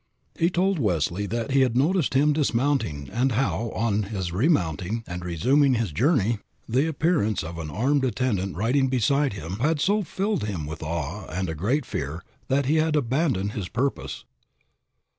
He told Wesley that he had noticed him dismounting and how, on his remounting and resuming his journey, the appearance of an armed attendant riding beside him had so filled him with awe and a great fear that he had abandoned his purpose.